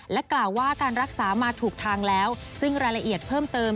กล่าวว่าการรักษามาถูกทางแล้วซึ่งรายละเอียดเพิ่มเติม